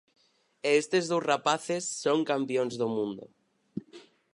E estes dous rapaces son campións do mundo.